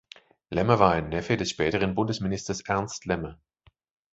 Lemmer war ein Neffe des späteren Bundesministers Ernst Lemmer.